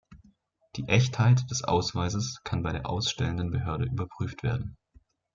Die Echtheit des Ausweises kann bei der ausstellenden Behörde überprüft werden.